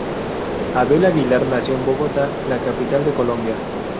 Abel Aguilar nació en Bogotá, la capital de Colombia.